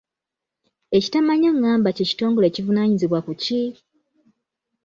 Ekitamanyangamba kye kitongole ekivunaanyizibwa ku ki?